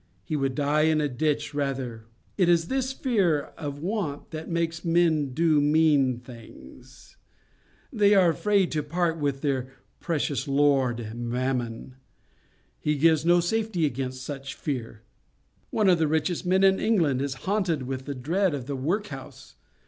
He would die in a ditch, rather. It is this fear of want that makes men do mean things. They are afraid to part with their precious lord—Mammon. He gives no safety against such a fear. One of the richest men in England is haunted with the dread of the workhouse.